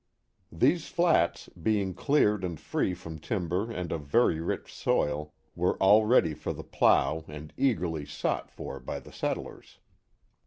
These flats, being cleared and free from timber and of very rich soil, were all ready for the plough and eagerly sought for by the settlers.